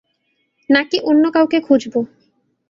নাকি অন্য কাউকে খুঁজব।